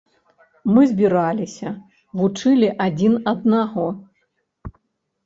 Мы збіраліся, вучылі адзін аднаго.